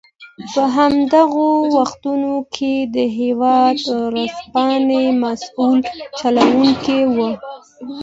په همدغو وختونو کې د هېواد ورځپاڼې مسوول چلوونکی و.